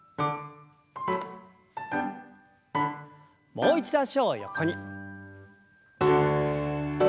もう一度脚を横に。